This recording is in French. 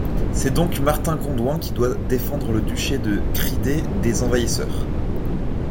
C'est donc Martin ConDoin qui doit défendre le duché de Crydee des envahisseurs.